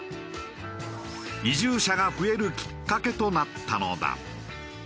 移住者が増えるきっかけとなったのだ。